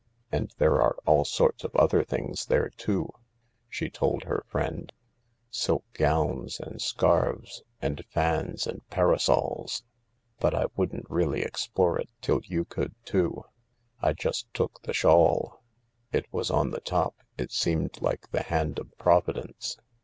"And there are all sorts of other things there too," she told her friend :" silk gowns and scarves, and fans and para sols — but I wouldn't really explore till you could too. I just took the shawl. It was on the top— it seemed like the hand of Providence.